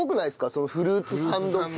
そのフルーツサンド系。